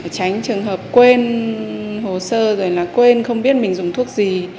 tránh trường hợp quên hồ sơ rồi là quên không biết mình dùng thuốc gì